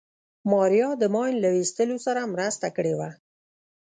ماريا د ماين له ويستلو سره مرسته کړې وه.